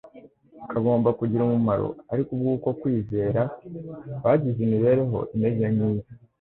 kagomba kugira umumaro ari uko kubwo kwizera bagize imibereho imeze nk'iye.